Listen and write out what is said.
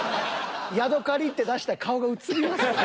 「ヤドカリ」って出したら顔が映ります。